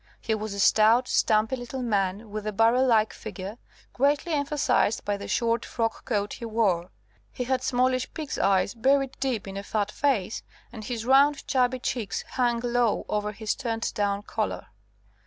He was a stout, stumpy little man, with a barrel like figure, greatly emphasized by the short frock coat he wore; he had smallish pig's eyes buried deep in a fat face, and his round, chubby cheeks hung low over his turned down collar.